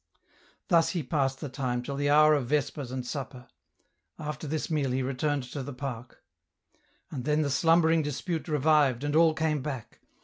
Thus he passed the time till the hour of vespers and supper. After this meal he returned to the park. And then the slumbering dispute revived and all came back.